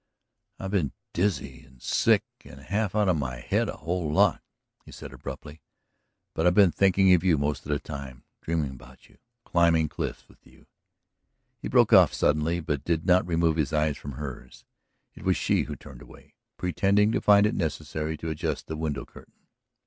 "I've been dizzy and sick and half out of my head a whole lot," he said abruptly. "I've been thinking of you most of the time, dreaming about you, climbing cliffs with you. ..." He broke off suddenly, but did not remove his eyes from hers. It was she who turned away, pretending to find it necessary to adjust the window curtain.